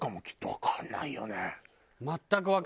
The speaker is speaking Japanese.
わかんないよね！